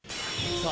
さあ